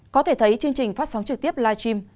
có thể thấy chương trình phát sóng trực tiếp live stream